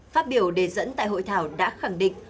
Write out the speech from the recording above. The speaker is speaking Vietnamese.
phát biểu đề dẫn tại hội thảo đã khẳng định